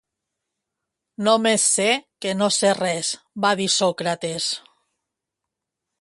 Només sé que no sé res, va dir Sòcrates